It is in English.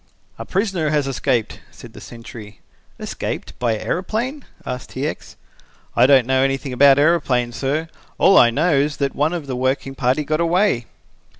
"A prisoner has escaped," said the sentry. "Escaped by aeroplane?" asked T. X. "I don't know anything about aeroplanes, sir. All I know is that one of the working party got away."